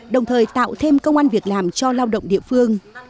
đồng thời tạo thêm công an việc làm cho lao động địa phương